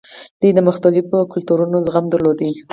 دوی د مختلفو کلتورونو زغم درلود